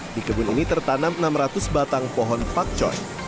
di kebun ini tertanam enam ratus batang pohon pakcoy